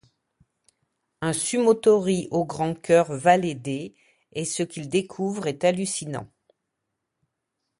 Un sumotori au grand cœur va l’aider et ce qu’il découvre est hallucinant.